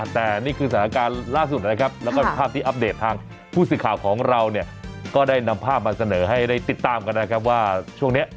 แต่นี่คือสถานการณ์ล่าสุดนะครับแล้วก็ภาพที่อัปเดตทางผู้สื่อข่าวของเราเนี่ยก็ได้นำภาพมาเสนอให้ได้ติดตามกันนะครับว่าช่วงนี้